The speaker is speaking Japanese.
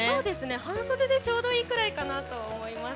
半袖でちょうどいいぐらいだと思います。